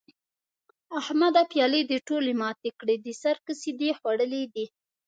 احمده؛ پيالې دې ټولې ماتې کړې؛ د سر کسي دې خوړلي دي؟!